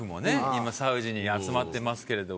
今、サウジに集まってますけど。